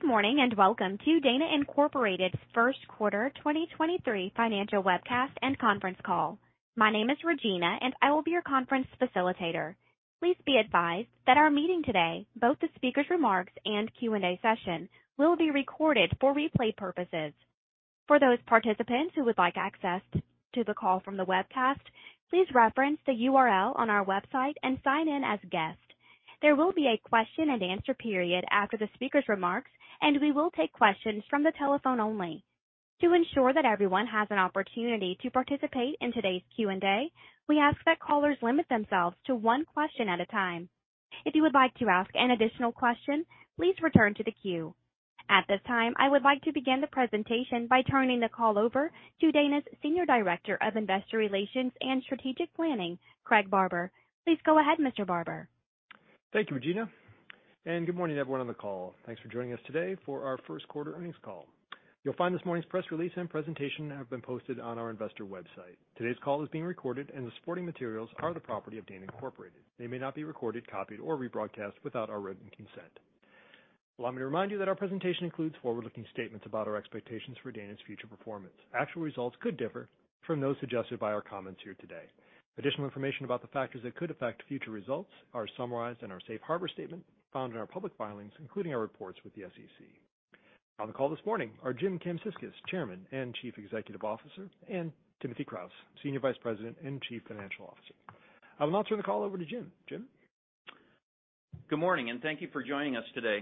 Good morning, welcome to Dana Incorporated's first quarter 2023 financial webcast and conference call. My name is Regina, and I will be your conference facilitator. Please be advised that our meeting today, both the speaker's remarks and Q&A session, will be recorded for replay purposes. For those participants who would like access to the call from the webcast, please reference the URL on our website and sign in as guest. There will be a question and answer period after the speaker's remarks, and we will take questions from the telephone only. To ensure that everyone has an opportunity to participate in today's Q&A, we ask that callers limit themselves to one question at a time. If you would like to ask an additional question, please return to the queue. At this time, I would like to begin the presentation by turning the call over to Dana's Senior Director of Investor Relations and Strategic Planning, Craig Barber. Please go ahead, Mr. Barber. Thank you, Regina. Good morning, everyone on the call. Thanks for joining us today for our first quarter earnings call. You'll find this morning's press release and presentation have been posted on our investor website. Today's call is being recorded. The supporting materials are the property of Dana Incorporated. They may not be recorded, copied, or rebroadcast without our written consent. Allow me to remind you that our presentation includes forward-looking statements about our expectations for Dana's future performance. Actual results could differ from those suggested by our comments here today. Additional information about the factors that could affect future results are summarized in our safe harbor statement found in our public filings, including our reports with the SEC. On the call this morning are Jim Kamsickas, Chairman and Chief Executive Officer. Timothy Kraus, Senior Vice President and Chief Financial Officer. I will now turn the call over to Jim. Jim? Good morning. Thank you for joining us today.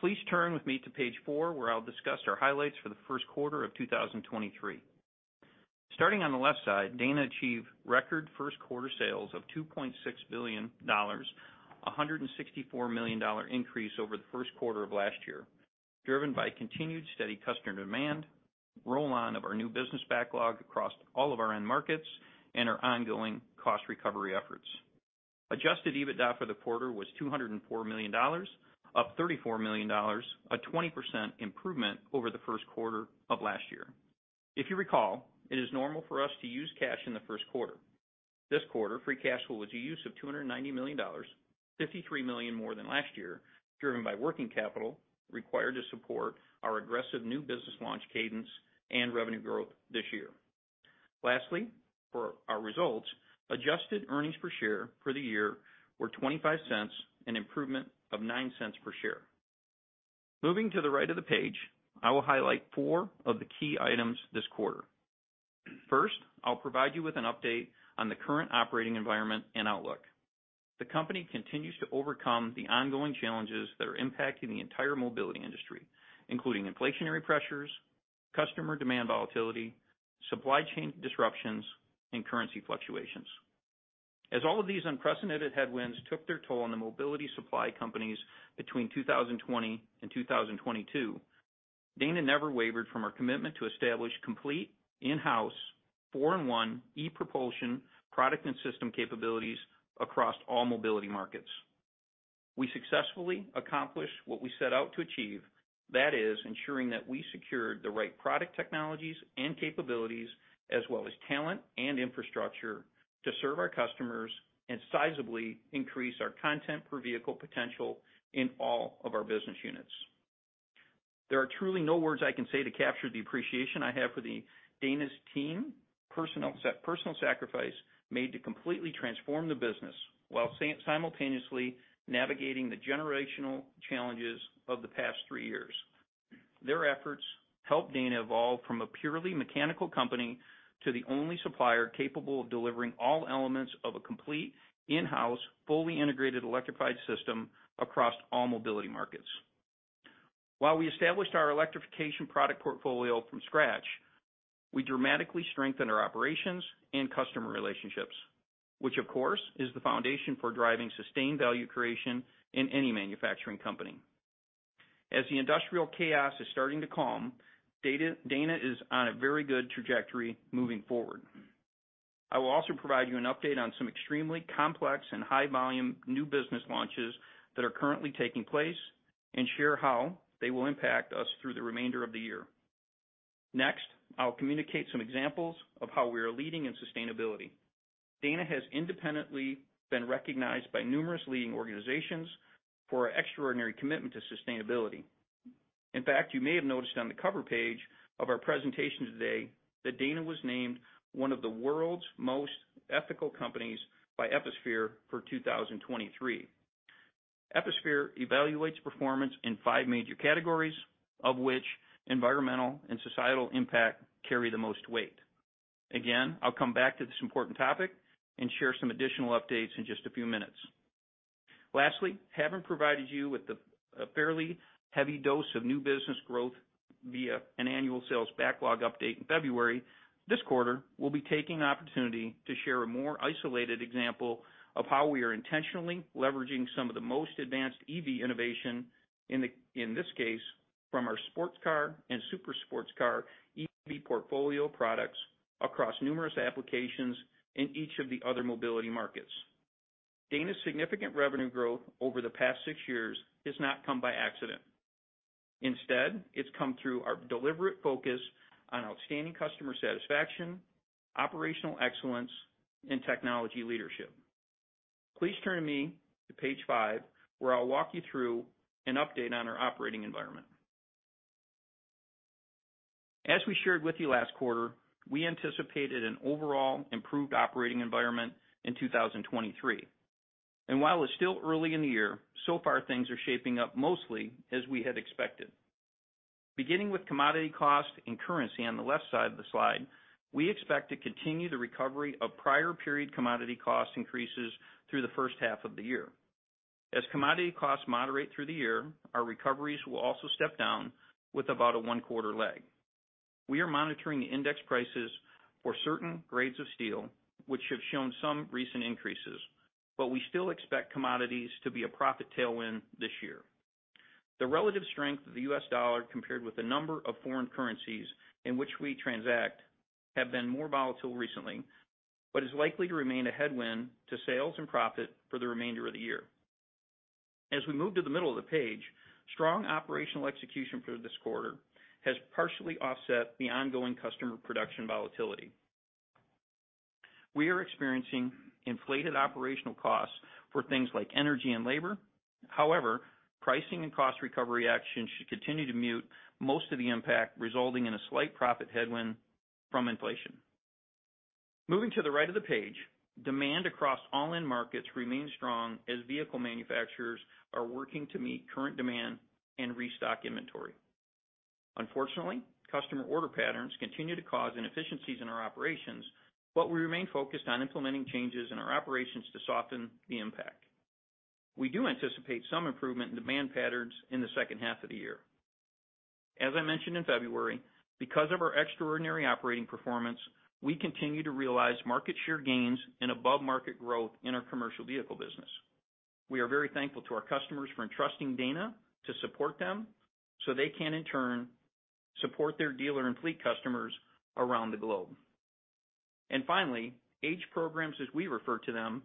Please turn with me to page four, where I'll discuss our highlights for the first quarter of 2023. Starting on the left side, Dana achieved record first quarter sales of $2.6 billion, a $164 million increase over the first quarter of last year, driven by continued steady customer demand, roll-on of our new business backlog across all of our end markets, and our ongoing cost recovery efforts. Adjusted EBITDA for the quarter was $204 million, up $34 million, a 20% improvement over the first quarter of last year. If you recall, it is normal for us to use cash in the first quarter. This quarter, free cash flow was a use of $290 million, $53 million more than last year, driven by working capital required to support our aggressive new business launch cadence and revenue growth this year. For our results, Adjusted earnings per share for the year were $0.25, an improvement of $0.09 per share. Moving to the right of the page, I will highlight four of the key items this quarter. I'll provide you with an update on the current operating environment and outlook. The company continues to overcome the ongoing challenges that are impacting the entire mobility industry, including inflationary pressures, customer demand volatility, supply chain disruptions, and currency fluctuations. As all of these unprecedented headwinds took their toll on the mobility supply companies between 2020 and 2022, Dana never wavered from our commitment to establish complete in-house four-in-one e-Propulsion product and system capabilities across all mobility markets. We successfully accomplished what we set out to achieve, that is ensuring that we secured the right product technologies and capabilities as well as talent and infrastructure to serve our customers and sizably increase our content per vehicle potential in all of our business units. There are truly no words I can say to capture the appreciation I have for the Dana's team personal sacrifice made to completely transform the business while simultaneously navigating the generational challenges of the past three years. Their efforts helped Dana evolve from a purely mechanical company to the only supplier capable of delivering all elements of a complete in-house, fully integrated electrified system across all mobility markets. While we established our electrification product portfolio from scratch, we dramatically strengthened our operations and customer relationships, which of course is the foundation for driving sustained value creation in any manufacturing company. As the industrial chaos is starting to calm, Dana is on a very good trajectory moving forward. I will also provide you an update on some extremely complex and high volume new business launches that are currently taking place and share how they will impact us through the remainder of the year. Next, I'll communicate some examples of how we are leading in sustainability. Dana has independently been recognized by numerous leading organizations for our extraordinary commitment to sustainability. You may have noticed on the cover page of our presentation today that Dana was named one of the world's most ethical companies by Ethisphere for 2023. Ethisphere evaluates performance in five major categories, of which environmental and societal impact carry the most weight. I'll come back to this important topic and share some additional updates in just a few minutes. Having provided you with a fairly heavy dose of new business growth via an annual sales backlog update in February, this quarter we'll be taking the opportunity to share a more isolated example of how we are intentionally leveraging some of the most advanced EV innovation, in this case, from our sports car and super sports car EV portfolio products across numerous applications in each of the other mobility markets. Dana's significant revenue growth over the past six years has not come by accident. Instead, it's come through our deliberate focus on outstanding customer satisfaction, operational excellence, and technology leadership. Please turn to me to page five, where I'll walk you through an update on our operating environment. As we shared with you last quarter, we anticipated an overall improved operating environment in 2023. While it's still early in the year, so far things are shaping up mostly as we had expected. Beginning with commodity cost and currency on the left side of the slide, we expect to continue the recovery of prior period commodity cost increases through the first half of the year. As commodity costs moderate through the year, our recoveries will also step down with about a one-quarter lag. We are monitoring the index prices for certain grades of steel, which have shown some recent increases, but we still expect commodities to be a profit tailwind this year. The relative strength of the US dollar compared with the number of foreign currencies in which we transact have been more volatile recently, but is likely to remain a headwind to sales and profit for the remainder of the year. As we move to the middle of the page, strong operational execution through this quarter has partially offset the ongoing customer production volatility. We are experiencing inflated operational costs for things like energy and labor. However, pricing and cost recovery action should continue to mute most of the impact, resulting in a slight profit headwind from inflation. Moving to the right of the page, demand across all end markets remains strong as vehicle manufacturers are working to meet current demand and restock inventory. Unfortunately, customer order patterns continue to cause inefficiencies in our operations, but we remain focused on implementing changes in our operations to soften the impact. We do anticipate some improvement in demand patterns in the second half of the year. As I mentioned in February, because of our extraordinary operating performance, we continue to realize market share gains and above market growth in our commercial vehicle business. We are very thankful to our customers for entrusting Dana to support them so they can, in turn, support their dealer and fleet customers around the globe. Finally, legacy programs, as we refer to them,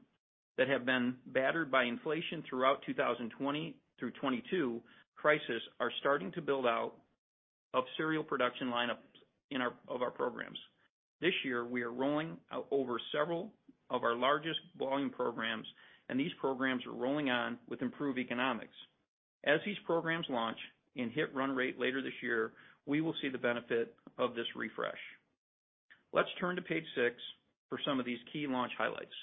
that have been battered by inflation throughout 2020 through 2022 crisis are starting to build out of serial production lineups of our programs. This year, we are rolling out over several of our largest volume programs. These programs are rolling on with improved economics. As these programs launch and hit run rate later this year, we will see the benefit of this refresh. Let's turn to page six for some of these key launch highlights.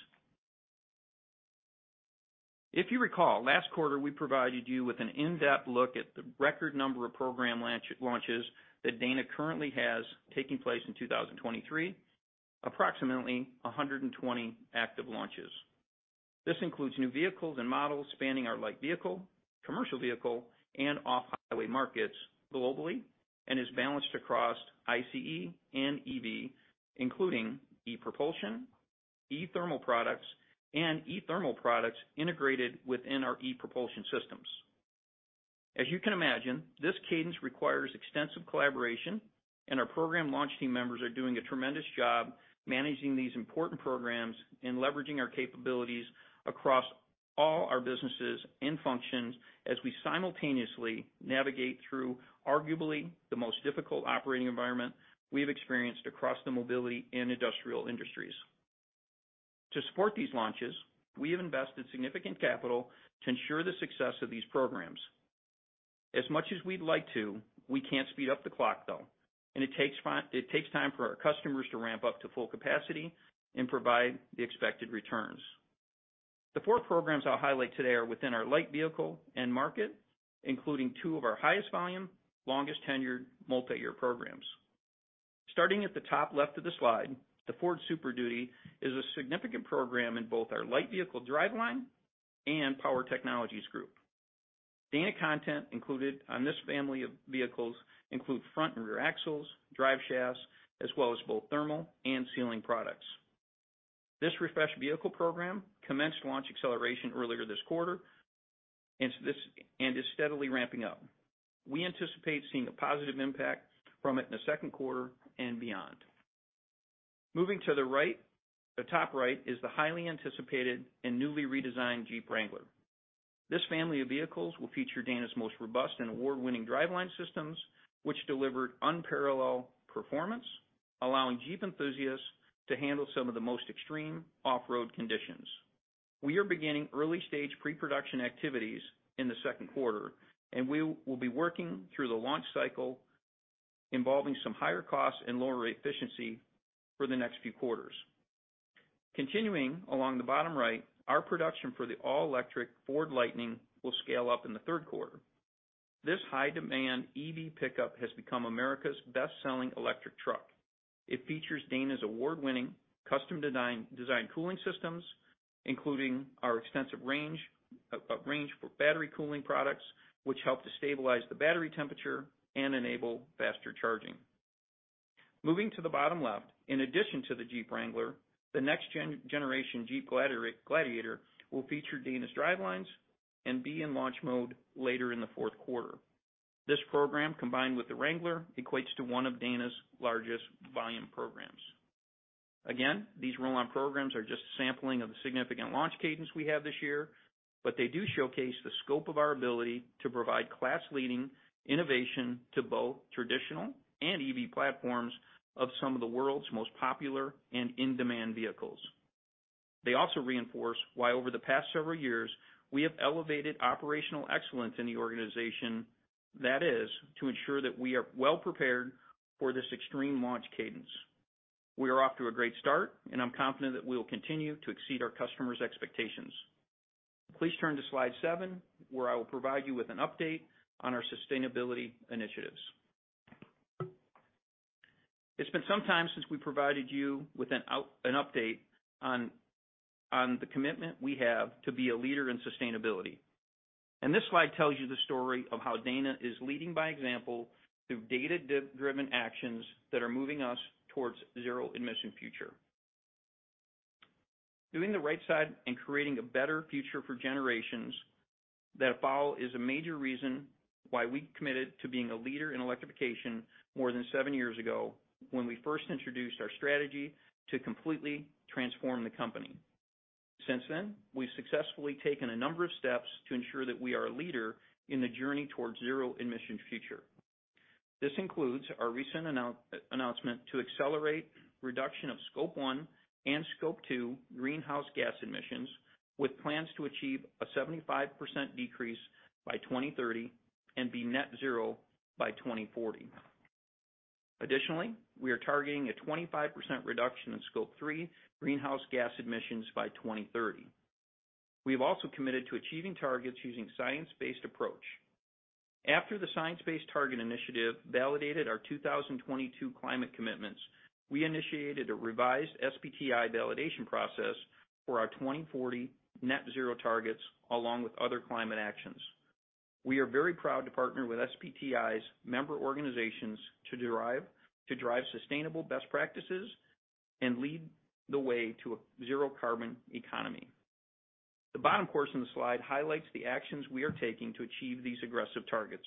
If you recall, last quarter we provided you with an in-depth look at the record number of program launches that Dana currently has taking place in 2023, approximately 120 active launches. This includes new vehicles and models spanning our light vehicle, commercial vehicle, and off-highway markets globally, and is balanced across ICE and EV, including e-Propulsion, e-Thermal products integrated within our e-Propulsion systems. As you can imagine, this cadence requires extensive collaboration, and our program launch team members are doing a tremendous job managing these important programs and leveraging our capabilities across all our businesses and functions as we simultaneously navigate through arguably the most difficult operating environment we have experienced across the mobility and industrial industries. To support these launches, we have invested significant capital to ensure the success of these programs. As much as we'd like to, we can't speed up the clock, though, and it takes time for our customers to ramp up to full capacity and provide the expected returns. The four programs I'll highlight today are within our light vehicle end market, including two of our highest volume, longest tenured, multi-year programs. Starting at the top left of the slide, the Ford Super Duty is a significant program in both our light vehicle driveline and power technologies group. Dana content included on this family of vehicles include front and rear axles, drive shafts, as well as both thermal and sealing products. This refreshed vehicle program commenced launch acceleration earlier this quarter, and is steadily ramping up. We anticipate seeing a positive impact from it in the second quarter and beyond. Moving to the right, the top right, is the highly anticipated and newly redesigned Jeep Wrangler. This family of vehicles will feature Dana's most robust and award-winning driveline systems, which deliver unparalleled performance, allowing Jeep enthusiasts to handle some of the most extreme off-road conditions. We are beginning early-stage pre-production activities in the second quarter, and we will be working through the launch cycle involving some higher costs and lower efficiency for the next few quarters. Continuing along the bottom right, our production for the all-electric Ford Lightning will scale up in the third quarter. This high-demand EV pickup has become America's best-selling electric truck. It features Dana's award-winning custom design, designed cooling systems, including our extensive range for battery cooling products, which help to stabilize the battery temperature and enable faster charging. Moving to the bottom left, in addition to the Jeep Wrangler, the next-generation Jeep Gladiator will feature Dana's drivelines and be in launch mode later in the fourth quarter. This program, combined with the Wrangler, equates to one of Dana's largest volume programs. Again, these roll-on programs are just a sampling of the significant launch cadence we have this year, but they do showcase the scope of our ability to provide class-leading innovation to both traditional and EV platforms of some of the world's most popular and in-demand vehicles. They also reinforce why, over the past several years, we have elevated operational excellence in the organization, that is, to ensure that we are well prepared for this extreme launch cadence. We are off to a great start, and I'm confident that we will continue to exceed our customers' expectations. Please turn to slide seven, where I will provide you with an update on our sustainability initiatives. It's been some time since we provided you with an out... an update on the commitment we have to be a leader in sustainability. This slide tells you the story of how Dana is leading by example through data driven actions that are moving us towards zero emission future. Doing the right side and creating a better future for generations that follow is a major reason why we committed to being a leader in electrification more than seven years ago when we first introduced our strategy to completely transform the company. Since then, we've successfully taken a number of steps to ensure that we are a leader in the journey towards zero emission future. This includes our recent announcement to accelerate reduction of Scope 1 and Scope 2 greenhouse gas emissions, with plans to achieve a 75% decrease by 2030 and be net zero by 2040. Additionally, we are targeting a 25% reduction in Scope 3 greenhouse gas emissions by 2030. We have also committed to achieving targets using science-based approach. After the Science Based Targets initiative validated our 2022 climate commitments, we initiated a revised SBTi validation process for our 2040 net zero targets, along with other climate actions. We are very proud to partner with SBTi's member organizations to drive sustainable best practices and lead the way to a zero carbon economy. The bottom portion of the slide highlights the actions we are taking to achieve these aggressive targets.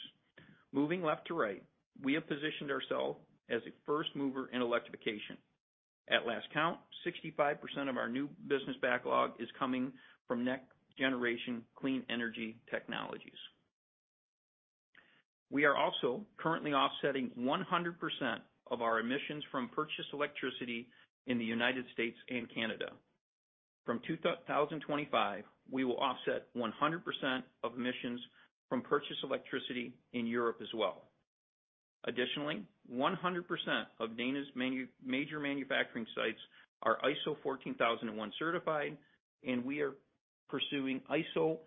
Moving left to right, we have positioned ourselves as a first mover in electrification. At last count, 65% of our new business backlog is coming from next generation clean energy technologies. We are also currently offsetting 100% of our emissions from purchased electricity in the United States and Canada. From 2025, we will offset 100% of emissions from purchased electricity in Europe as well. Additionally, 100% of Dana's major manufacturing sites are ISO 14001 certified, and we are pursuing ISO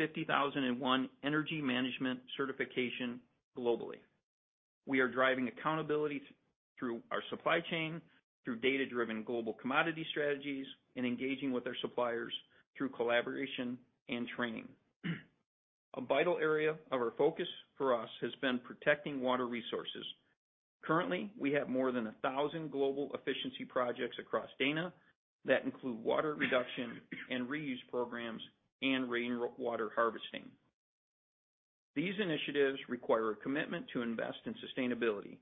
50001 energy management certification globally. We are driving accountability through our supply chain, through data-driven global commodity strategies, and engaging with our suppliers through collaboration and training. A vital area of our focus for us has been protecting water resources. Currently, we have more than 1,000 global efficiency projects across Dana that include water reduction and reuse programs and rainwater harvesting. These initiatives require a commitment to invest in sustainability,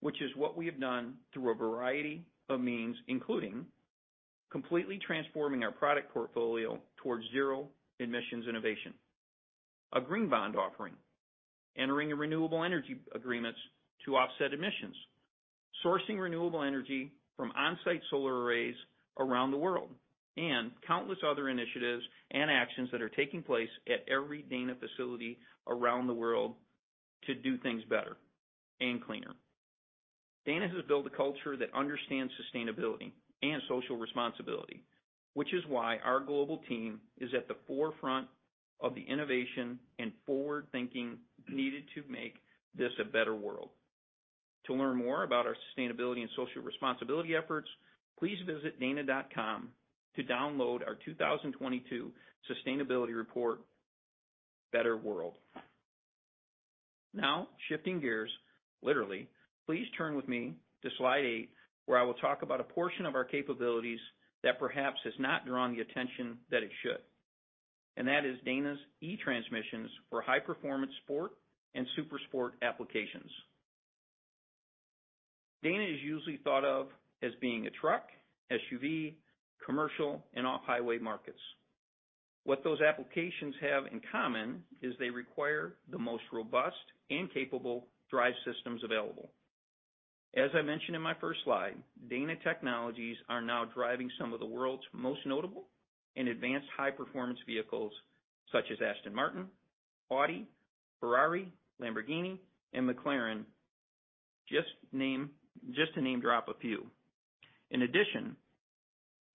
which is what we have done through a variety of means, including completely transforming our product portfolio towards zero emissions innovation, a green bond offering, entering a renewable energy agreements to offset emissions, sourcing renewable energy from on-site solar arrays around the world, and countless other initiatives and actions that are taking place at every Dana facility around the world to do things better and cleaner. Dana has built a culture that understands sustainability and social responsibility, which is why our global team is at the forefront of the innovation and forward-thinking needed to make this a better world. To learn more about our sustainability and social responsibility efforts, please visit dana.com to download our 2022 sustainability report, Better World. Shifting gears, literally, please turn with me to slide eight, where I will talk about a portion of our capabilities that perhaps has not drawn the attention that it should, and that is Dana's e-Transmission for high-performance sport and super sport applications. Dana is usually thought of as being a truck, SUV, commercial, and off-highway markets. What those applications have in common is they require the most robust and capable drive systems available. As I mentioned in my first slide, Dana technologies are now driving some of the world's most notable and advanced high-performance vehicles, such as Aston Martin, Audi, Ferrari, Lamborghini, and McLaren, just to name drop a few. In addition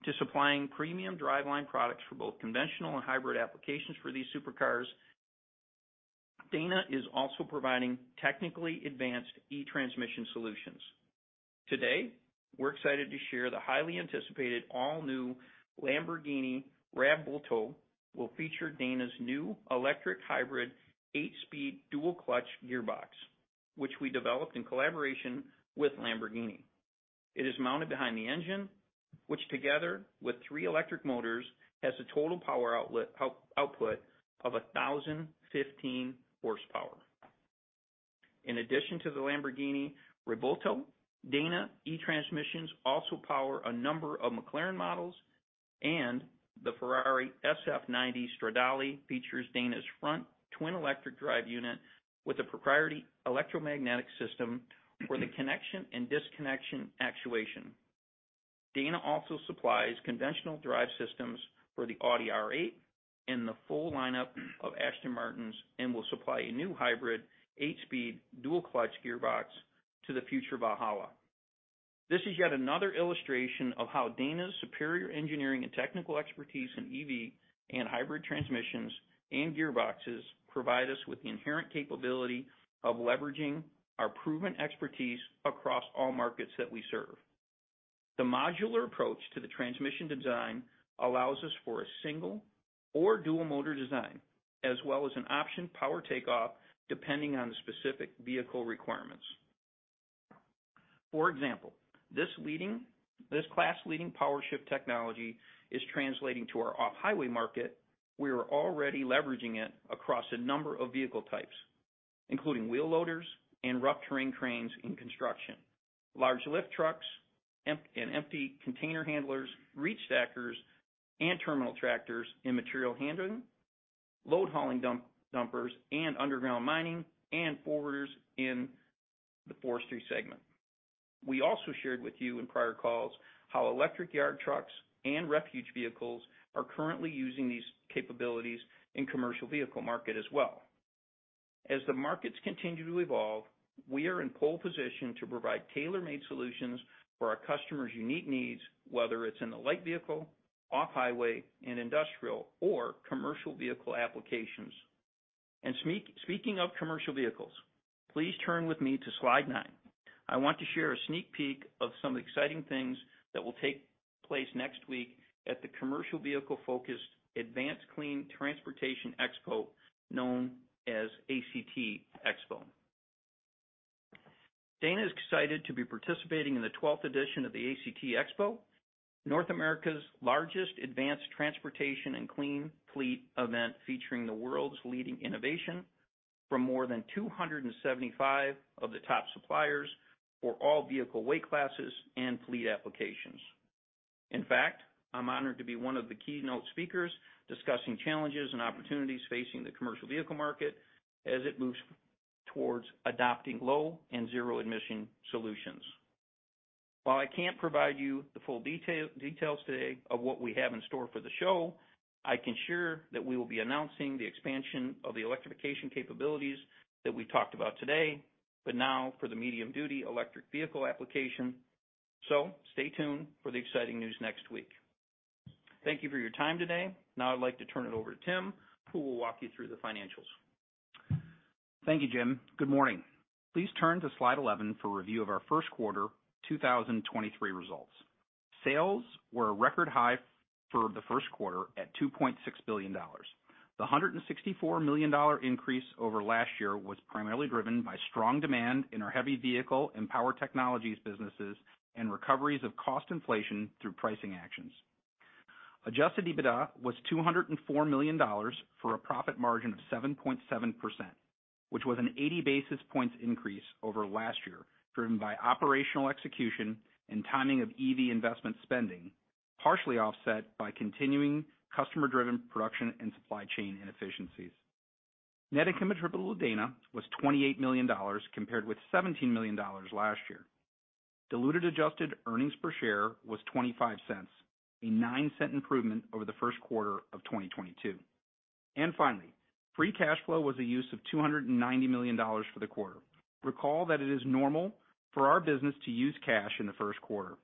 to supplying premium driveline products for both conventional and hybrid applications for these supercars, Dana is also providing technically advanced e-Transmission solutions. Today, we're excited to share the highly anticipated all new Lamborghini Revuelto will feature Dana's new electric hybrid 8-speed dual-clutch gearbox, which we developed in collaboration with Lamborghini. It is mounted behind the engine, which together with three electric motors, has a total power output of 1,015 horsepower. In addition to the Lamborghini Revuelto, Dana e-Transmissions also power a number of McLaren models, and the Ferrari SF90 Stradale features Dana's front twin electric drive unit with a proprietary electro-magnetic system for the connection and disconnection actuation. Dana also supplies conventional drive systems for the Audi R8 and the full lineup of Aston Martins, and will supply a new hybrid 8-speed dual-clutch gearbox to the future Valhalla. This is yet another illustration of how Dana's superior engineering and technical expertise in EV and hybrid transmissions and gearboxes provide us with the inherent capability of leveraging our proven expertise across all markets that we serve. The modular approach to the transmission design allows us for a single or dual motor design, as well as an option power takeoff depending on the specific vehicle requirements. For example, this class-leading powershift technology is translating to our off-highway market. We are already leveraging it across a number of vehicle types, including wheel loaders and rough terrain cranes in construction, large lift trucks, and empty container handlers, reach stackers, and terminal tractors in material handling, load hauling dump, dumpers and underground mining, and forwarders in the forestry segment. We also shared with you in prior calls how electric yard trucks and refuge vehicles are currently using these capabilities in commercial vehicle market as well. As the markets continue to evolve, we are in pole position to provide tailor-made solutions for our customers' unique needs, whether it's in the light vehicle, off-highway and industrial or commercial vehicle applications. Speaking of commercial vehicles, please turn with me to slide nine. I want to share a sneak peek of some exciting things that will take place next week at the commercial vehicle-focused Advanced Clean Transportation Expo, known as ACT Expo. Dana is excited to be participating in the twelfth edition of the ACT Expo, North America's largest advanced transportation and clean fleet event, featuring the world's leading innovation from more than 275 of the top suppliers for all vehicle weight classes and fleet applications. In fact, I'm honored to be one of the keynote speakers discussing challenges and opportunities facing the commercial vehicle market as it moves towards adopting low and zero-emission solutions. While I can't provide you the full details today of what we have in store for the show, I can share that we will be announcing the expansion of the electrification capabilities that we talked about today, now for the medium-duty electric vehicle application. Stay tuned for the exciting news next week. Thank you for your time today. Now I'd like to turn it over to Tim, who will walk you through the financials. Thank you, Jim. Good morning. Please turn to slide 11 for review of our first quarter 2023 results. Sales were a record high for the first quarter at $2.6 billion. The $164 million increase over last year was primarily driven by strong demand in our heavy vehicle and power technologies businesses and recoveries of cost inflation through pricing actions. Adjusted EBITDA was $204 million for a profit margin of 7.7%, which was an 80 basis points increase over last year, driven by operational execution and timing of EV investment spending, partially offset by continuing customer-driven production and supply chain inefficiencies. Net income attributable to Dana was $28 million, compared with $17 million last year. Diluted adjusted earnings per share was $0.25, a $0.09 improvement over the first quarter of 2022. Finally, free cash flow was a use of $290 million for the quarter. Recall that it is normal for our business to use cash in the first quarter.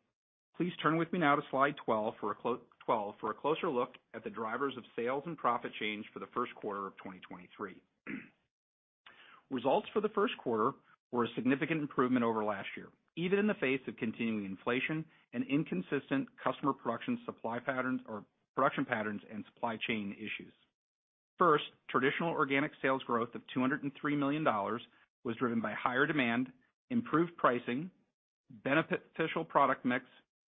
Please turn with me now to slide 12 for a closer look at the drivers of sales and profit change for the first quarter of 2023. Results for the first quarter were a significant improvement over last year, even in the face of continuing inflation and inconsistent customer production supply patterns or production patterns and supply chain issues. First, traditional organic sales growth of $203 million was driven by higher demand, improved pricing, beneficial product mix,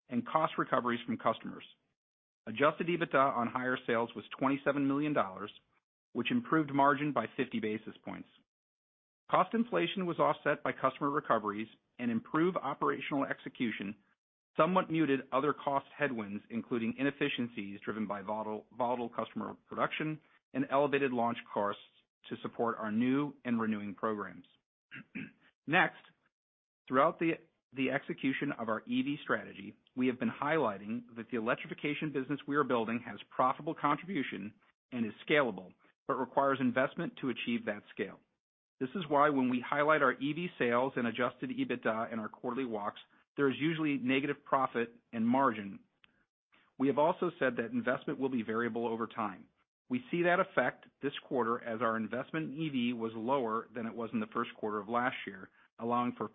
and cost recoveries from customers. Adjusted EBITDA on higher sales was $27 million, which improved margin by 50 basis points. Cost inflation was offset by customer recoveries and improved operational execution somewhat muted other cost headwinds, including inefficiencies driven by volatile customer production and elevated launch costs to support our new and renewing programs. Throughout the execution of our EV strategy, we have been highlighting that the electrification business we are building has profitable contribution and is scalable, but requires investment to achieve that scale. This is why when we highlight our EV sales and Adjusted EBITDA in our quarterly walks, there is usually negative profit and margin. We have also said that investment will be variable over time. We see that effect this quarter as our investment in EV was lower than it was in the first quarter of last year, allowing for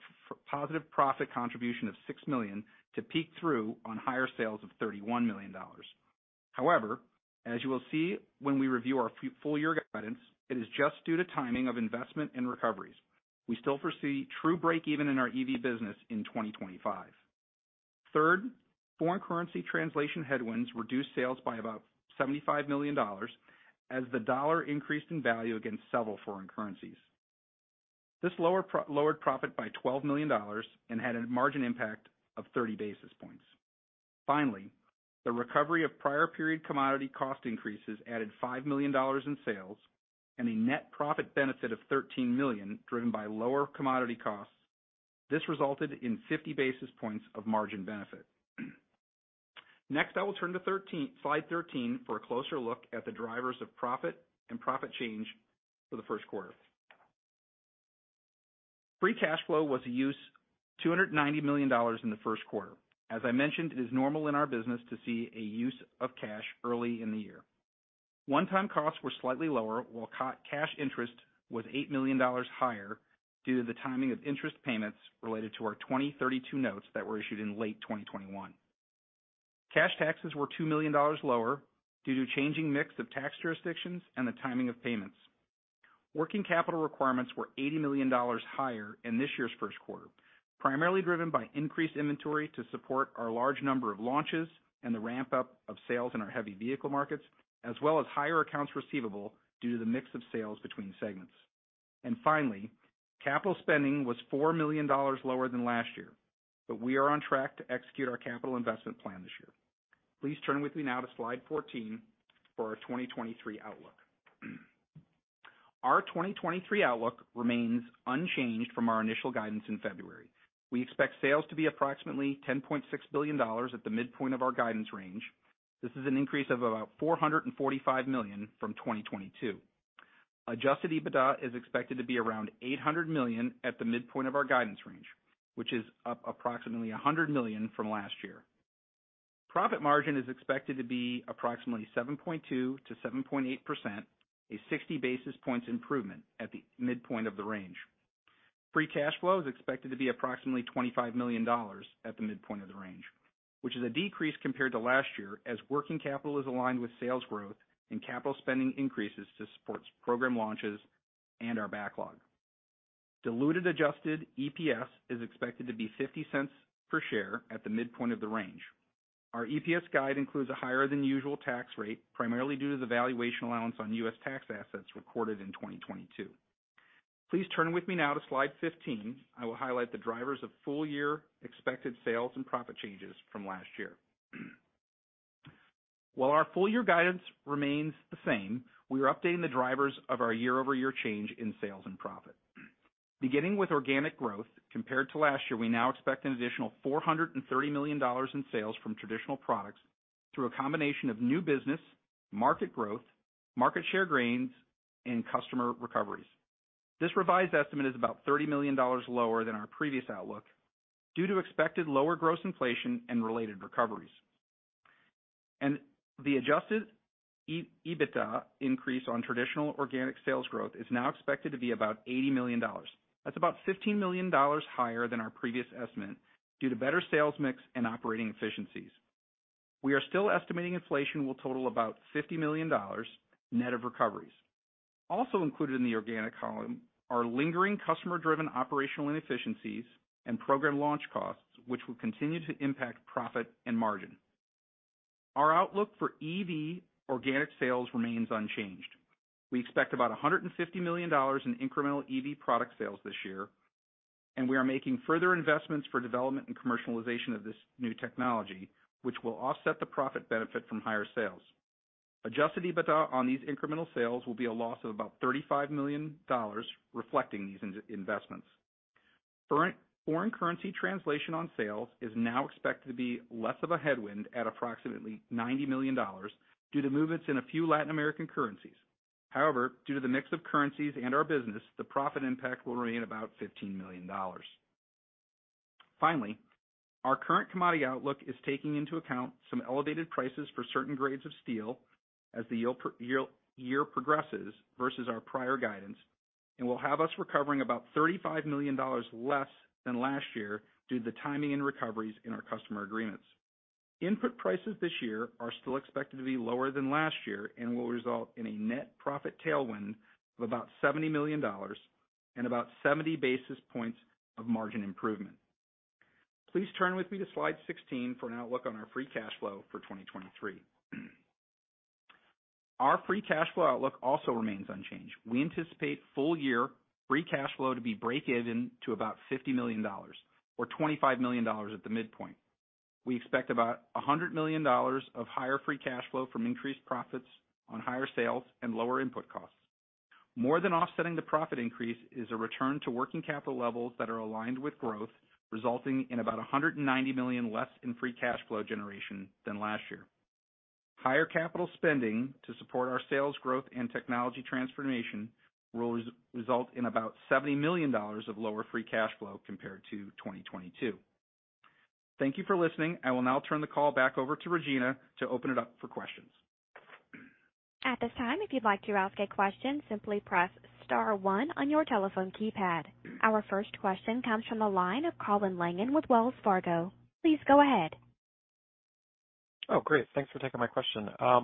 positive profit contribution of $6 million to peak through on higher sales of $31 million. As you will see when we review our full year guidance, it is just due to timing of investment and recoveries. We still foresee true break even in our EV business in 2025. Foreign currency translation headwinds reduced sales by about $75 million as the dollar increased in value against several foreign currencies. This lowered profit by $12 million and had a margin impact of 30 basis points. The recovery of prior period commodity cost increases added $5 million in sales and a net profit benefit of $13 million, driven by lower commodity costs. This resulted in 50 basis points of margin benefit. I will turn to slide 13 for a closer look at the drivers of profit and profit change for the first quarter. Free cash flow was a use, $290 million in the first quarter. As I mentioned, it is normal in our business to see a use of cash early in the year. One-time costs were slightly lower while cash interest was $8 million higher due to the timing of interest payments related to our 2032 Notes that were issued in late 2021. Cash taxes were $2 million lower due to changing mix of tax jurisdictions and the timing of payments. Working capital requirements were $80 million higher in this year's first quarter, primarily driven by increased inventory to support our large number of launches and the ramp-up of sales in our heavy vehicle markets, as well as higher accounts receivable due to the mix of sales between segments. Finally, capital spending was $4 million lower than last year. We are on track to execute our capital investment plan this year. Please turn with me now to slide 14 for our 2023 outlook. Our 2023 outlook remains unchanged from our initial guidance in February. We expect sales to be approximately $10.6 billion at the midpoint of our guidance range. This is an increase of about $445 million from 2022. Adjusted EBITDA is expected to be around $800 million at the midpoint of our guidance range, which is up approximately $100 million from last year. Profit margin is expected to be approximately 7.2%-7.8%, a 60 basis points improvement at the midpoint of the range. Free cash flow is expected to be approximately $25 million at the midpoint of the range, which is a decrease compared to last year as working capital is aligned with sales growth and capital spending increases to support program launches and our backlog. Diluted adjusted EPS is expected to be $0.50 per share at the midpoint of the range. Our EPS guide includes a higher than usual tax rate, primarily due to the valuation allowance on US tax assets recorded in 2022. Please turn with me now to slide 15. I will highlight the drivers of full year expected sales and profit changes from last year. While our full year guidance remains the same, we are updating the drivers of our year-over-year change in sales and profit. Beginning with organic growth, compared to last year, we now expect an additional $430 million in sales from traditional products through a combination of new business, market growth, market share gains, and customer recoveries. This revised estimate is about $30 million lower than our previous outlook due to expected lower gross inflation and related recoveries. The Adjusted EBITDA increase on traditional organic sales growth is now expected to be about $80 million. That's about $15 million higher than our previous estimate due to better sales mix and operating efficiencies. We are still estimating inflation will total about $50 million net of recoveries. Included in the organic column are lingering customer-driven operational inefficiencies and program launch costs, which will continue to impact profit and margin. Our outlook for EV organic sales remains unchanged. We expect about $150 million in incremental EV product sales this year. We are making further investments for development and commercialization of this new technology, which will offset the profit benefit from higher sales. Adjusted EBITDA on these incremental sales will be a loss of about $35 million reflecting these in-investments. Foreign currency translation on sales is now expected to be less of a headwind at approximately $90 million due to movements in a few Latin American currencies. However, due to the mix of currencies and our business, the profit impact will remain about $15 million. Our current commodity outlook is taking into account some elevated prices for certain grades of steel as the year progresses versus our prior guidance and will have us recovering about $35 million less than last year due to the timing and recoveries in our customer agreements. Input prices this year are still expected to be lower than last year and will result in a net profit tailwind of about $70 million and about 70 basis points of margin improvement. Please turn with me to slide 16 for an outlook on our free cash flow for 2023. Our free cash flow outlook also remains unchanged. We anticipate full year free cash flow to be break even to about $50 million or $25 million at the midpoint. We expect about $100 million of higher free cash flow from increased profits on higher sales and lower input costs. More than offsetting the profit increase is a return to working capital levels that are aligned with growth, resulting in about $190 million less in free cash flow generation than last year. Higher capital spending to support our sales growth and technology transformation will result in about $70 million of lower free cash flow compared to 2022. Thank you for listening. I will now turn the call back over to Regina to open it up for questions. At this time, if you'd like to ask a question, simply press star one on your telephone keypad. Our first question comes from the line of Colin Langan with Wells Fargo. Please go ahead. Great. Thanks for taking my question. I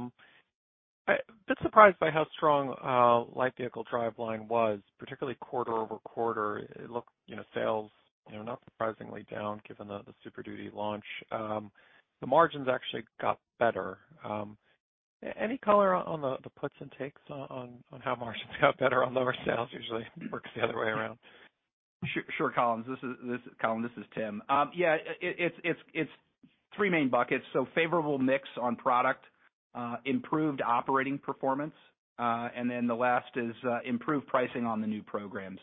a bit surprised by how strong light vehicle driveline was, particularly quarter-over-quarter. It looked, you know, sales, you know, not surprisingly down, given the Super Duty launch. The margins actually got better. Any color on the puts and takes on how margins got better on lower sales usually works the other way around? Sure, Colin. Colin, this is Tim. Yeah, it's three main buckets, so favorable mix on product, improved operating performance, and then the last is improved pricing on the new program.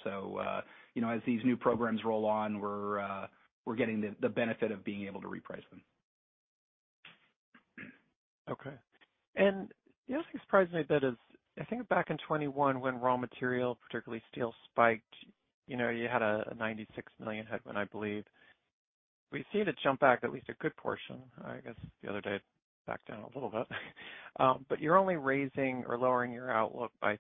You know, as these new programs roll on, we're getting the benefit of being able to reprice them. Okay. The other thing that surprised me a bit is I think back in 2021 when raw material, particularly steel spiked, you know, you had a $96 million headwind, I believe. We've seen it jump back at least a good portion. I guess the other day it backed down a little bit. You're only raising or lowering your outlook by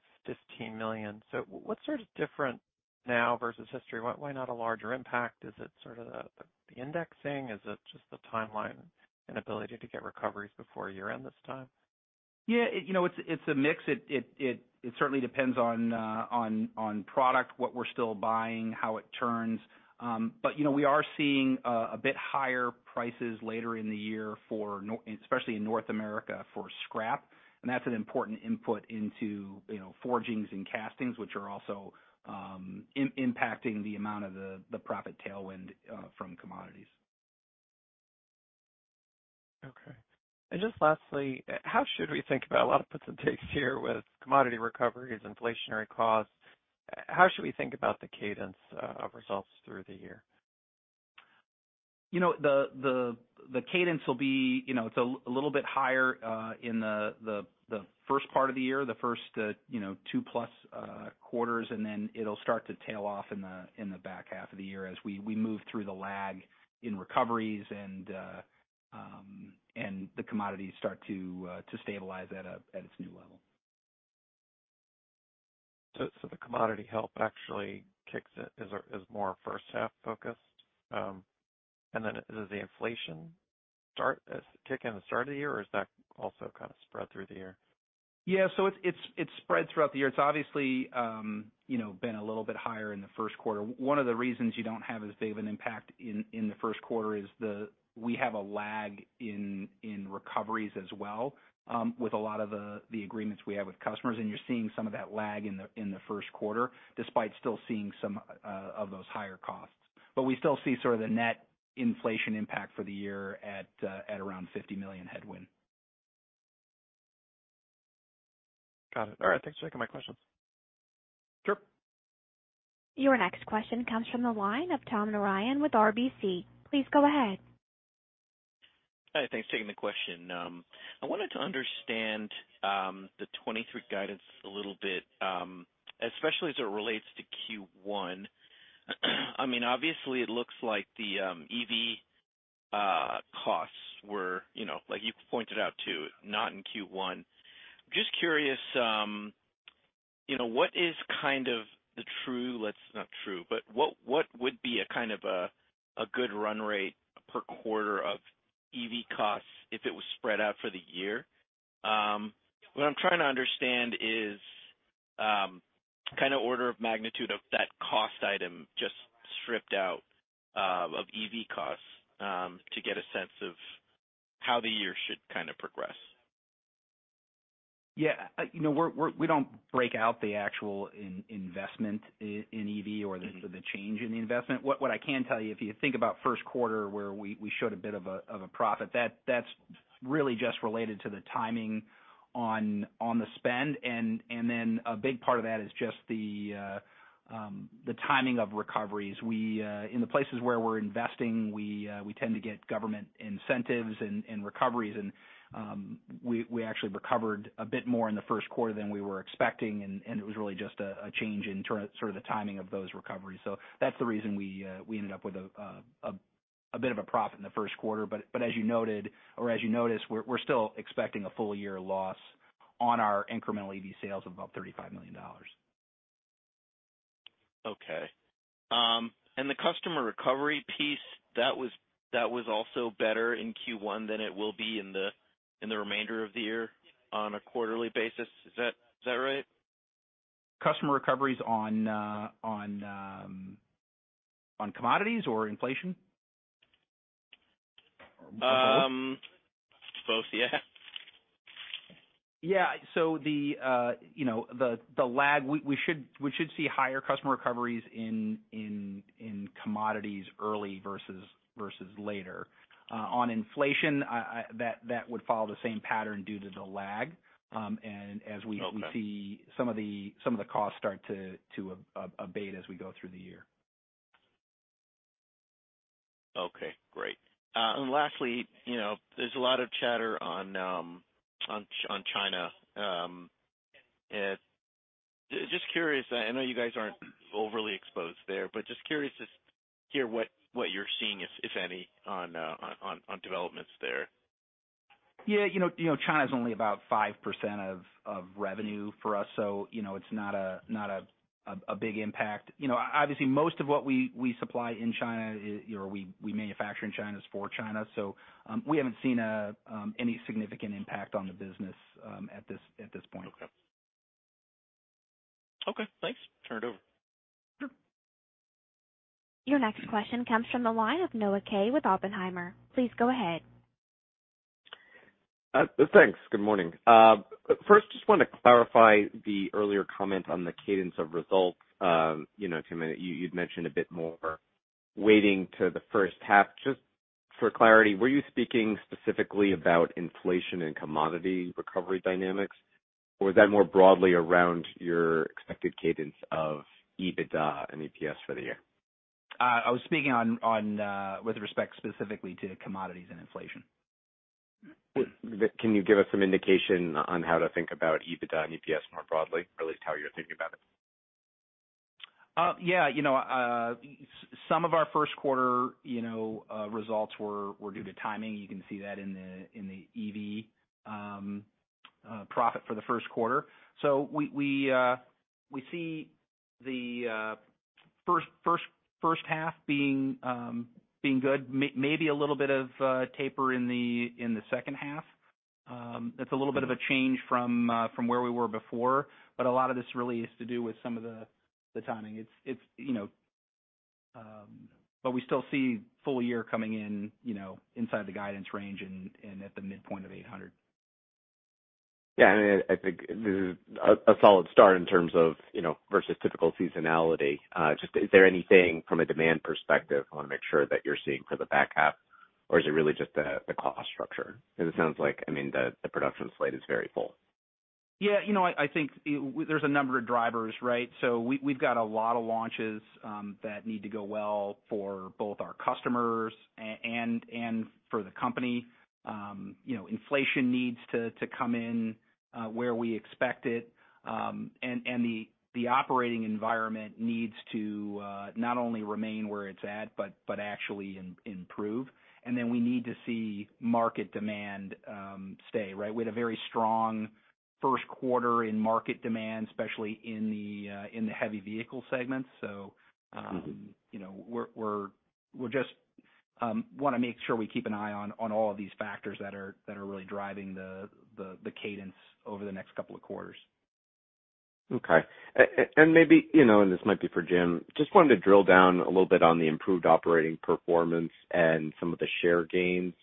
$15 million. What's sort of different now versus history? Why, why not a larger impact? Is it sort of the indexing? Is it just the timeline and ability to get recoveries before year-end this time? Yeah. You know, it's a mix. It certainly depends on product, what we're still buying, how it turns. You know, we are seeing a bit higher prices later in the year for especially in North America for scrap, and that's an important input into, you know, forgings and castings, which are also impacting the amount of the profit tailwind from commodities. Okay. Just lastly, how should we think about a lot of puts and takes here with commodity recoveries, inflationary costs? How should we think about the cadence of results through the year? You know, the cadence will be, you know, it's a little bit higher in the first part of the year, the first, you know, 2+ quarters, and then it'll start to tail off in the back half of the year as we move through the lag in recoveries and the commodities start to stabilize at its new level. The commodity help actually is more first half focused? Does the inflation start kick in the start of the year, or is that also kind of spread through the year? Yeah. It's spread throughout the year. It's obviously, you know, been a little bit higher in the first quarter. One of the reasons you don't have as big of an impact in the first quarter is we have a lag in recoveries as well, with a lot of the agreements we have with customers, and you're seeing some of that lag in the first quarter, despite still seeing some of those higher costs. We still see sort of the net inflation impact for the year at around $50 million headwind. Got it. All right. Thanks for taking my questions. Sure. Your next question comes from the line of Tom Narayan with RBC. Please go ahead. Hi, thanks for taking the question. I wanted to understand the 23 guidance a little bit, especially as it relates to Q1. I mean, obviously it looks like the EV costs were, you know, like you pointed out too, not in Q1. Just curious, you know, what is kind of the true, not true, but what would be a kind of a good run rate per quarter of EV costs if it was spread out for the year? What I'm trying to understand is kind of order of magnitude of that cost item just stripped out of EV costs to get a sense of how the year should kind of progress. Yeah. You know, we don't break out the actual investment in EV or the change in the investment. What I can tell you, if you think about first quarter where we showed a bit of a profit, that's really just related to the timing on the spend. Then a big part of that is just the timing of recoveries. We in the places where we're investing, we tend to get government incentives and recoveries and we actually recovered a bit more in the first quarter than we were expecting, and it was really just a change in sort of the timing of those recoveries. That's the reason we ended up with a bit of a profit in the first quarter. As you noted or as you noticed, we're still expecting a full year loss on our incremental EV sales of about $35 million. Okay. The customer recovery piece, that was also better in Q1 than it will be in the remainder of the year on a quarterly basis. Is that right? Customer recoveries on commodities or inflation? Or both? both, yeah. Yeah. The, you know, the lag, we should see higher customer recoveries in commodities early versus later. On inflation, that would follow the same pattern due to the lag, as we... Okay. We see some of the costs start to abate as we go through the year. Okay, great. Lastly, you know, there's a lot of chatter on China. Just curious, I know you guys aren't overly exposed there, but just curious to hear what you're seeing, if any, on developments there. Yeah. You know, China is only about 5% of revenue for us. You know, it's not a big impact. You know, obviously, most of what we supply in China or we manufacture in China is for China. We haven't seen any significant impact on the business at this point. Okay, thanks. Turn it over. Your next question comes from the line of Noah Kaye with Oppenheimer. Please go ahead. Thanks. Good morning. First, just want to clarify the earlier comment on the cadence of results. You know, Tim, you'd mentioned a bit more weighting to the first half. Just for clarity, were you speaking specifically about inflation and commodity recovery dynamics, or was that more broadly around your expected cadence of EBITDA and EPS for the year? I was speaking on with respect specifically to commodities and inflation. Can you give us some indication on how to think about EBITDA and EPS more broadly, or at least how you're thinking about it? Yeah, you know, some of our first quarter, you know, results were due to timing. You can see that in the EV profit for the first quarter. We see the first half being good. Maybe a little bit of taper in the second half. That's a little bit of a change from where we were before, but a lot of this really is to do with some of the timing. It's, you know, we still see full year coming in, you know, inside the guidance range and at the midpoint of $800 million. Yeah. I mean, I think this is a solid start in terms of, you know, versus typical seasonality. Just is there anything from a demand perspective, I wanna make sure, that you're seeing for the back half? Or is it really just the cost structure? It sounds like, I mean, the production slate is very full. Yeah. You know, I think there's a number of drivers, right? We've got a lot of launches that need to go well for both our customers and for the company. You know, inflation needs to come in where we expect it, and the operating environment needs to not only remain where it's at, but actually improve. We need to see market demand stay, right? We had a very strong first quarter in market demand, especially in the heavy vehicle segments. You know, we'll just wanna make sure we keep an eye on all of these factors that are really driving the cadence over the next couple of quarters. Okay. Maybe, you know, and this might be for Jim, just wanted to drill down a little bit on the improved operating performance and some of the share gains.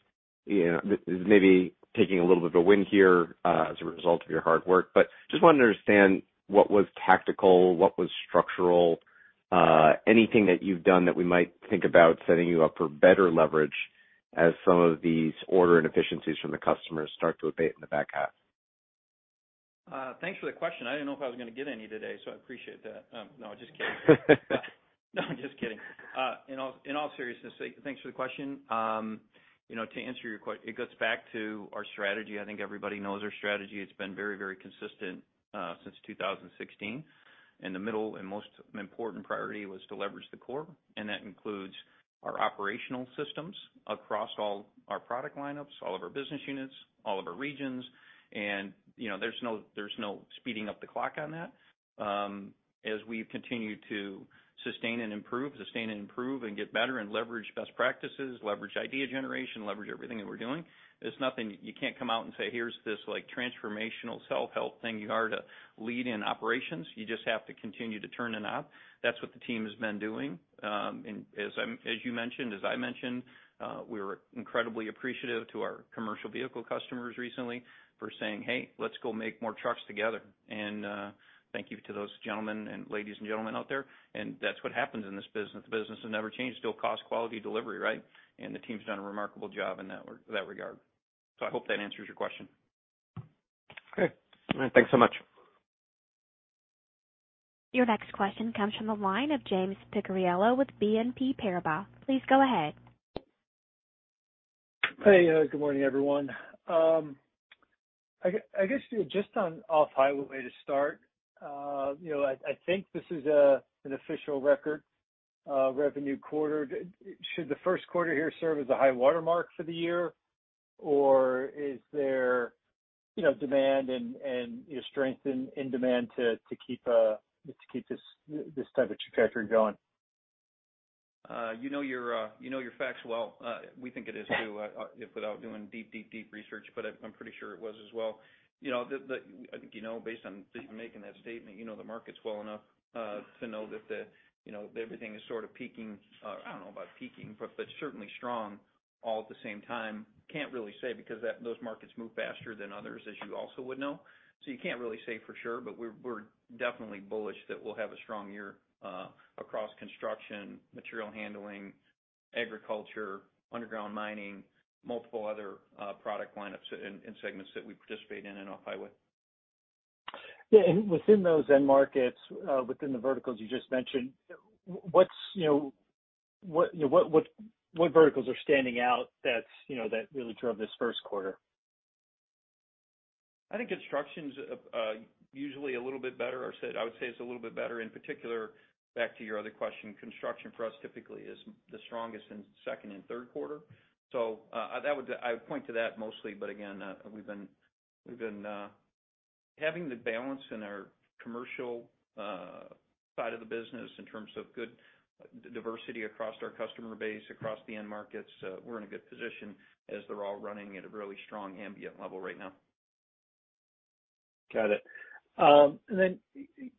You know, this maybe taking a little bit of a wind here, as a result of your hard work. Just want to understand what was tactical, what was structural, anything that you've done that we might think about setting you up for better leverage as some of these order and efficiencies from the customers start to abate in the back half. Thanks for the question. I didn't know if I was gonna get any today, so I appreciate that. No, just kidding. No, I'm just kidding. In all seriousness, thanks for the question. You know, to answer your que-- it goes back to our strategy. I think everybody knows our strategy. It's been very, very consistent since 2016. The middle and most important priority was to leverage the core, and that includes our operational systems across all our product lineups, all of our business units, all of our regions. You know, there's no speeding up the clock on that. As we've continued to sustain and improve, sustain and improve and get better and leverage best practices, leverage idea generation, leverage everything that we're doing, there's nothing. You can't come out and say, "Here's this, like, transformational self-help thing you are to lead in operations." You just have to continue to turn a knob. That's what the team has been doing. And as you mentioned, as I mentioned, we're incredibly appreciative to our commercial vehicle customers recently for saying, "Hey, let's go make more trucks together." Thank you to those gentlemen and ladies and gentlemen out there. That's what happens in this business. The business has never changed. Still cost, quality, delivery, right? The team's done a remarkable job in that regard. I hope that answers your question. Okay. All right. Thanks so much. Your next question comes from the line of James Picariello with BNP Paribas. Please go ahead. Hey, good morning, everyone. I guess just on off-highway to start, you know, I think this is an official record revenue quarter. Should the first quarter here serve as a high watermark for the year? Is there, you know, demand and, you know, strength in demand to keep this type of trajectory going? You know your, you know your facts well. We think it is too, without doing deep research, I'm pretty sure it was as well. You know, I think you know, based on just you making that statement, you know the markets well enough, to know that the, you know, everything is sort of peaking. I don't know about peaking, but certainly strong all at the same time. Can't really say because those markets move faster than others, as you also would know. You can't really say for sure, but we're definitely bullish that we'll have a strong year, across construction, material handling, agriculture, underground mining, multiple other product lineups and segments that we participate in off-highway. Yeah. Within those end markets, within the verticals you just mentioned, what, you know, what verticals are standing out that's, you know, that really drove this first quarter? I think construction's usually a little bit better. I would say it's a little bit better. In particular, back to your other question, construction for us typically is the strongest in second and third quarter. I would point to that mostly. We've been having the balance in our commercial side of the business in terms of good diversity across our customer base, across the end markets, we're in a good position as they're all running at a really strong ambient level right now. Got it. Then,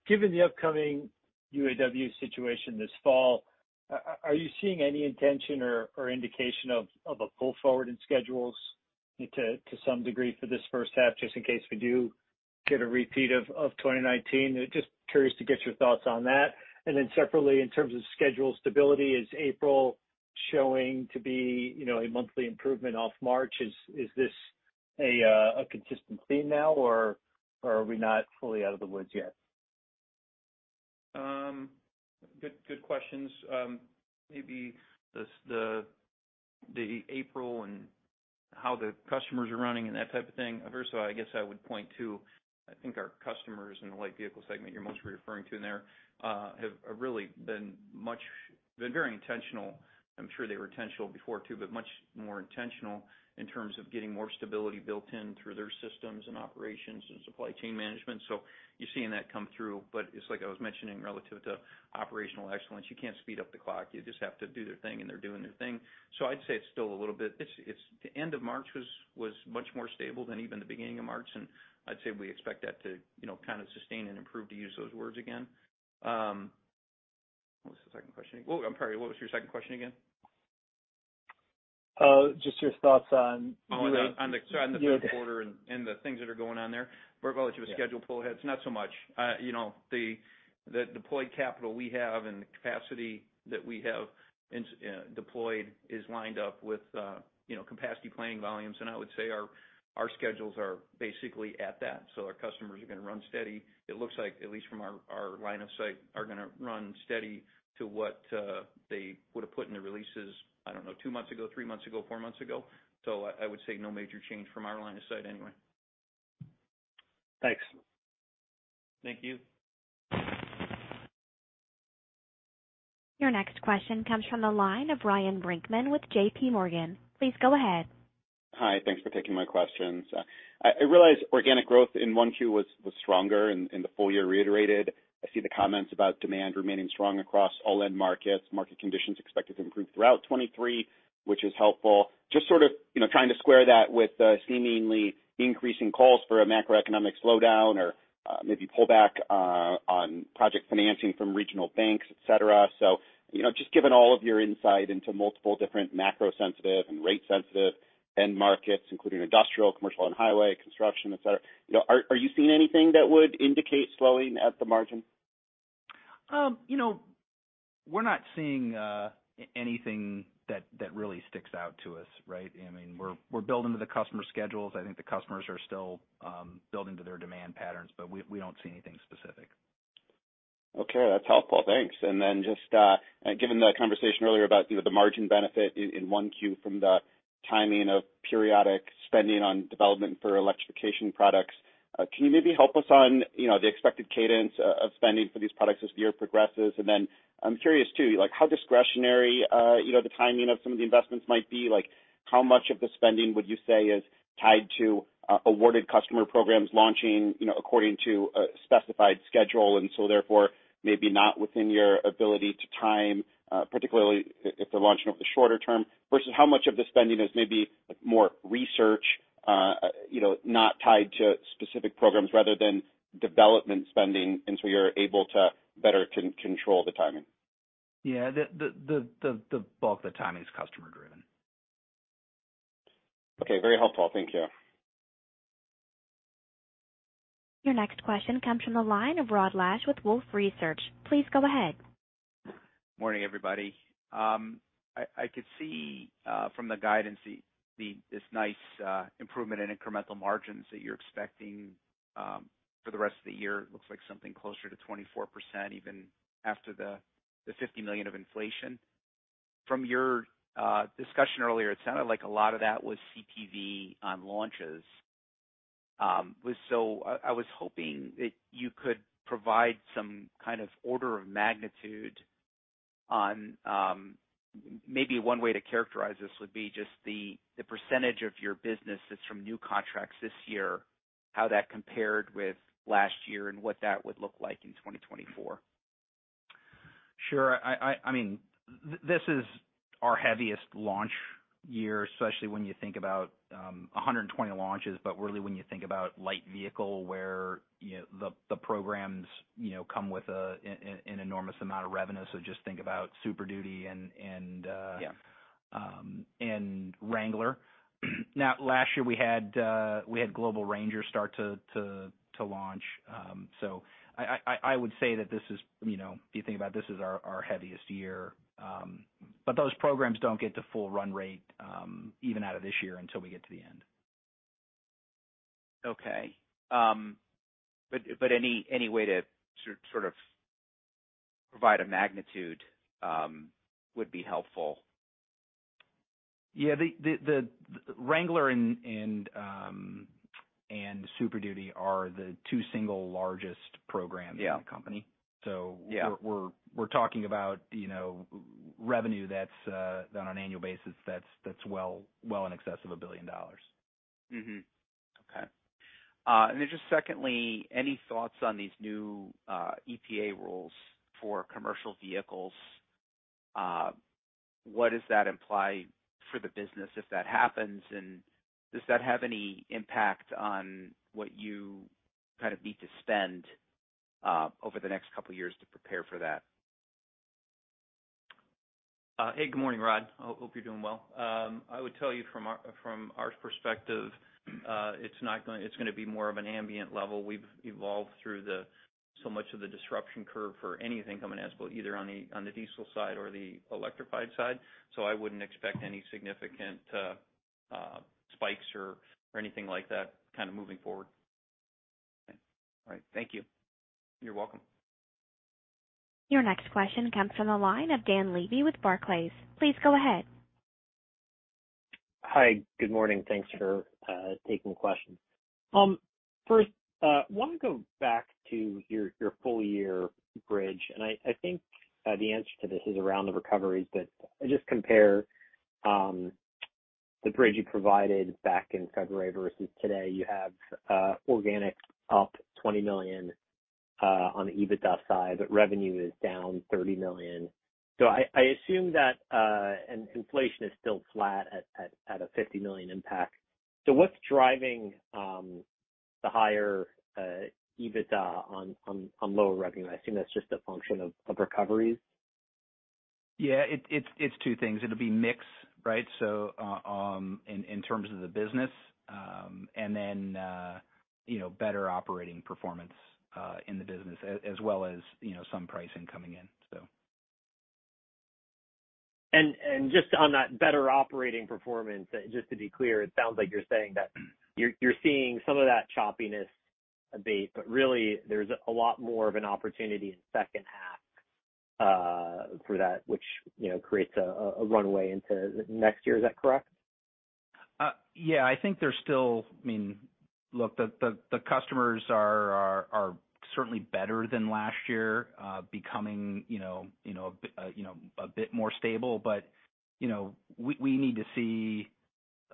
given the upcoming UAW situation this fall, are you seeing any intention or indication of a pull forward in schedules to some degree for this first half, just in case we do get a repeat of 2019? Just curious to get your thoughts on that. Separately, in terms of schedule stability, is April showing to be, you know, a monthly improvement off March? Is this a consistent theme now, or are we not fully out of the woods yet? Good, good questions. Maybe the April and how the customers are running and that type of thing. First of all, I guess I would point to, I think our customers in the light vehicle segment you're mostly referring to there, have really been very intentional. I'm sure they were intentional before too, but much more intentional in terms of getting more stability built in through their systems and operations and supply chain management. You're seeing that come through, but it's like I was mentioning relative to operational excellence. You can't speed up the clock. You just have to do their thing, and they're doing their thing. I'd say it's still a little bit. It's the end of March was much more stable than even the beginning of March. I'd say we expect that to, you know, kind of sustain and improve, to use those words again. What was the second question? I'm sorry, what was your second question again? Just your thoughts. On the first quarter and the things that are going on there. With regard to a schedule pull ahead, it's not so much. you know, the deployed capital we have and the capacity that we have deployed is lined up with, you know, capacity planning volumes. I would say our schedules are basically at that. Our customers are gonna run steady. It looks like, at least from our line of sight, are gonna run steady to what they would have put in the releases, I don't know, two months ago, three months ago, four months ago. I would say no major change from our line of sight anyway. Thanks. Thank you. Your next question comes from the line of Ryan Brinkman with J.P. Morgan. Please go ahead. Hi. Thanks for taking my questions. I realize organic growth in 1Q was stronger in the full year reiterated. I see the comments about demand remaining strong across all end markets. Market conditions expected to improve throughout 2023, which is helpful. Just sort of, you know, trying to square that with the seemingly increasing calls for a macroeconomic slowdown or maybe pullback on project financing from regional banks, et cetera. You know, just given all of your insight into multiple different macro sensitive and rate sensitive end markets, including industrial, commercial and highway construction, et cetera, you know, are you seeing anything that would indicate slowing at the margin? You know, we're not seeing anything that really sticks out to us, right? I mean, we're building to the customer schedules. I think the customers are still building to their demand patterns, but we don't see anything specific. Okay. That's helpful. Thanks. Then just, given the conversation earlier about, you know, the margin benefit in 1Q from the timing of periodic spending on development for electrification products, can you maybe help us on, you know, the expected cadence of spending for these products as the year progresses? Then I'm curious too, like how discretionary, you know, the timing of some of the investments might be. Like, how much of the spending would you say is tied to awarded customer programs launching, you know, according to a specified schedule, and so therefore, maybe not within your ability to time, particularly if they're launching over the shorter term, versus how much of the spending is maybe more research, you know, not tied to specific programs rather than development spending, and so you're able to better control the timing? Yeah. The bulk of the timing is customer driven. Okay. Very helpful. Thank you. Your next question comes from the line of Rod Lache with Wolfe Research. Please go ahead. Morning, everybody. I could see from the guidance the, this nice improvement in incremental margins that you're expecting for the rest of the year. It looks like something closer to 24%, even after the $50 million of inflation. From your discussion earlier, it sounded like a lot of that was CTP on launches. I was hoping that you could provide some kind of order of magnitude on, maybe one way to characterize this would be just the percentage of your business that's from new contracts this year, how that compared with last year and what that would look like in 2024? Sure. I mean, this is our heaviest launch year, especially when you think about 120 launches. Really when you think about light vehicle where, you know, the programs, you know, come with an enormous amount of revenue. Just think about Super Duty. Yeah. Wrangler. Now last year we had Global Ranger start to launch. I would say that this is, you know, if you think about it, this is our heaviest year. Those programs don't get to full run rate, even out of this year until we get to the end. Okay. Any way to sort of provide a magnitude would be helpful. Yeah. The Jeep Wrangler and Ford Super Duty are the two single largest programs. Yeah. in the company. Yeah. We're talking about, you know, revenue that's, that on an annual basis, that's well in excess of $1 billion. Mm-hmm. Okay. Then just secondly, any thoughts on these new EPA rules for commercial vehicles? What does that imply for the business if that happens? Does that have any impact on what you kind of need to spend over the next couple years to prepare for that? Hey, good morning, Rod. I hope you're doing well. I would tell you from our perspective, it's not gonna be more of an ambient level. We've evolved through the so much of the disruption curve for anything coming at us, either on the diesel side or the electrified side. I wouldn't expect any significant spikes or anything like that kind of moving forward. All right. Thank you. You're welcome. Your next question comes from the line of Dan Levy with Barclays. Please go ahead. Hi. Good morning. Thanks for taking the question. First, want to go back to your full year bridge. I think the answer to this is around the recoveries, but just compare the bridge you provided back in February versus today. You have organic up $20 million on the EBITDA side, but revenue is down $30 million. I assume that and inflation is still flat at a $50 million impact. What's driving the higher EBITDA on lower revenue? I assume that's just a function of recoveries. Yeah. It's two things. It'll be mix, right? In terms of the business, and then, you know, better operating performance, in the business as well as, you know, some pricing coming in. Just on that better operating performance, just to be clear, it sounds like you're saying that you're seeing some of that choppiness abate, but really there's a lot more of an opportunity in second half for that, which, you know, creates a runway into next year. Is that correct? Yeah. I think there's still I mean, look, the customers are certainly better than last year, becoming, you know, a bit, you know, a bit more stable. You know, we need to see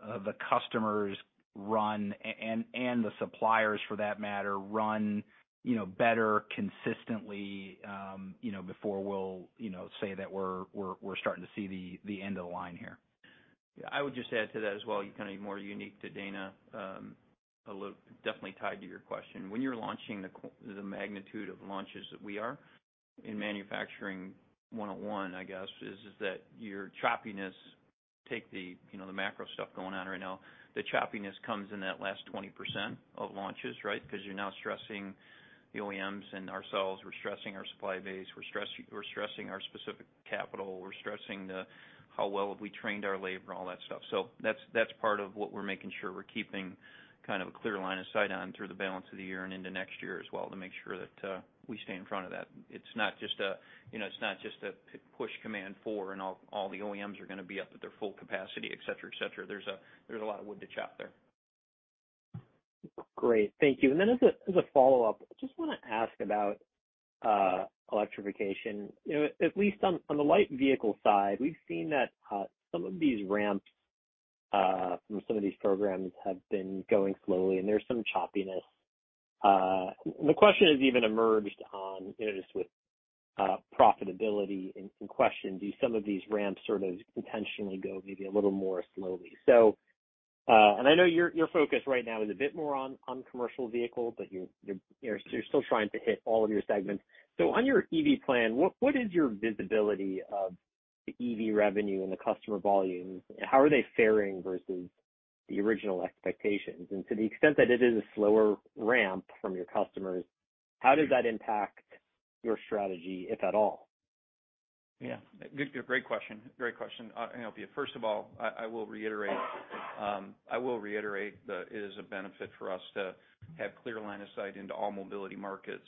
the customers run and the suppliers for that matter, run, you know, better consistently, you know, before we'll, you know, say that we're starting to see the end of the line here. Yeah. I would just add to that as well, kind of more unique to Dana, a little definitely tied to your question. When you're launching the magnitude of launches that we are in manufacturing one-on-one, I guess, is that your choppiness take the, you know, the macro stuff going on right now, the choppiness comes in that last 20% of launches, right? You're now stressing the OEMs and ourselves. We're stressing our supply base. We're stressing our specific capital. We're stressing the how well have we trained our labor and all that stuff. That's part of what we're making sure we're keeping kind of a clear line of sight on through the balance of the year and into next year as well, to make sure that we stay in front of that. It's not just a, you know, it's not just a push command+four and all the OEMs are gonna be up at their full capacity, et cetera, et cetera. There's a lot of wood to chop there. Great. Thank you. Then as a follow-up, I just wanna ask about electrification. You know, at least on the light vehicle side, we've seen that some of these ramps from some of these programs have been going slowly and there's some choppiness. The question has even emerged on, you know, just with profitability in question. Do some of these ramps sort of intentionally go maybe a little more slowly? I know your focus right now is a bit more on commercial vehicle, but you're still trying to hit all of your segments. On your EV plan, what is your visibility of the EV revenue and the customer volumes? How are they faring versus the original expectations? To the extent that it is a slower ramp from your customers, how does that impact your strategy, if at all? Yeah. Great question. Great question. First of all, I will reiterate that it is a benefit for us to have clear line of sight into all mobility markets.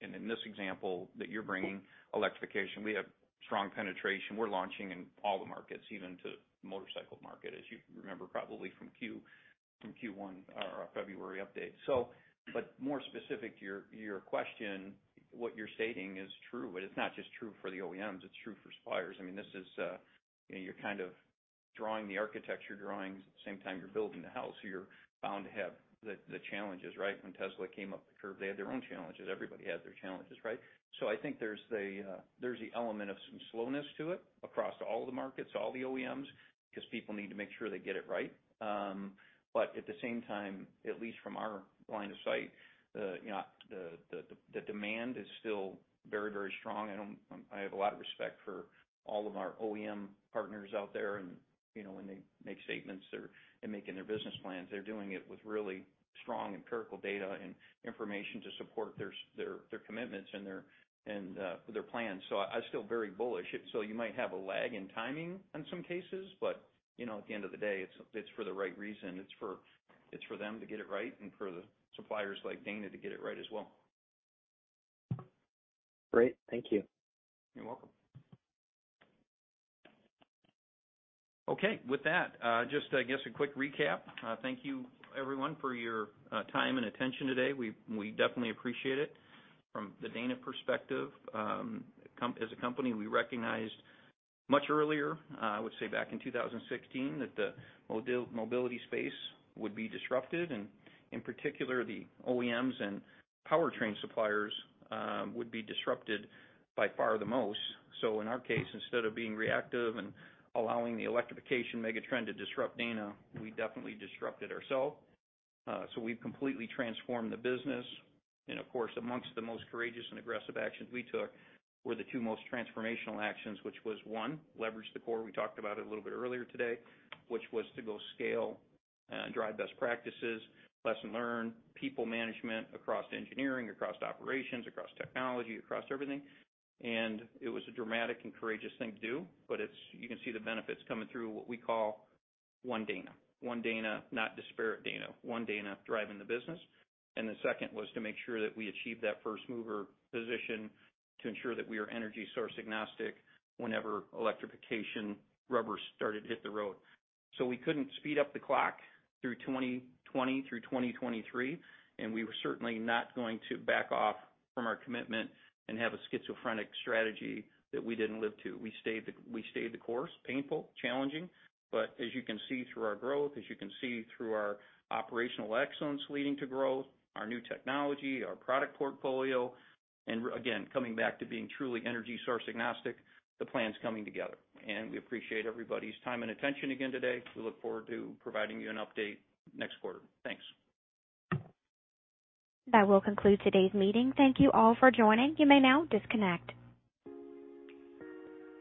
In this example that you're bringing, electrification, we have strong penetration. We're launching in all the markets, even to motorcycle market, as you remember probably from Q1 or our February update. More specific to your question, what you're stating is true, but it's not just true for the OEMs, it's true for suppliers. I mean, this is, you know, you're kind of drawing the architecture drawings at the same time you're building the house, you're bound to have the challenges, right? When Tesla came up the curve, they had their own challenges. Everybody had their challenges, right? I think there's the, there's the element of some slowness to it across all the markets, all the OEMs, 'cause people need to make sure they get it right. But at the same time, at least from our line of sight, you know, the, the demand is still very, very strong. I have a lot of respect for all of our OEM partners out there and, you know, when they make statements or in making their business plans, they're doing it with really strong empirical data and information to support their commitments and their, and their plans. I'm still very bullish. You might have a lag in timing in some cases, but, you know, at the end of the day, it's for the right reason. It's for them to get it right and for the suppliers like Dana to get it right as well. Great. Thank you. You're welcome. Okay. With that, just I guess a quick recap. Thank you, everyone, for your time and attention today. We definitely appreciate it. From the Dana perspective, as a company, we recognized much earlier, I would say back in 2016, that the mobility space would be disrupted, and in particular, the OEMs and powertrain suppliers, would be disrupted by far the most. In our case, instead of being reactive and allowing the electrification megatrend to disrupt Dana, we definitely disrupted ourself. So we've completely transformed the business. Of course, amongst the most courageous and aggressive actions we took were the two most transformational actions, which was, one, leverage the core. We talked about it a little bit earlier today, which was to go scale, drive best practices, lesson learned, people management across engineering, across operations, across technology, across everything. It was a dramatic and courageous thing to do, but it's you can see the benefits coming through what we call One Dana. One Dana, not disparate Dana. One Dana driving the business. The second was to make sure that we achieve that first mover position to ensure that we are energy source agnostic whenever electrification rubber started to hit the road. We couldn't speed up the clock through 2020 through 2023, and we were certainly not going to back off from our commitment and have a schizophrenic strategy that we didn't live to. We stayed the course. Painful, challenging, but as you can see through our growth, as you can see through our operational excellence leading to growth, our new technology, our product portfolio, and again, coming back to being truly energy source agnostic, the plan's coming together. We appreciate everybody's time and attention again today. We look forward to providing you an update next quarter. Thanks. That will conclude today's meeting. Thank you all for joining. You may now disconnect.